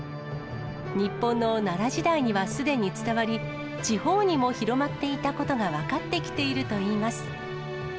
日本の奈良時代にはすでに伝わり、地方にも広まっていたことが分かってきているといいます。